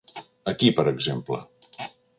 Aquí, per exemple.